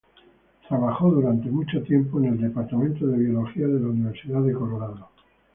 Trabajó por largos años en el "Departamento de Biología", de la Universidad de Colorado.